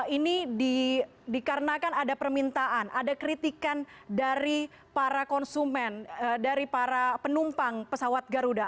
ini dikarenakan ada permintaan ada kritikan dari para konsumen dari para penumpang pesawat garuda